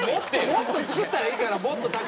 もっと作ったらいいからもっとたくさん。